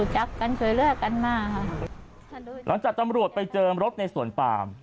หลังจากตำรวจไปเจอรถในส่วนปาร์ม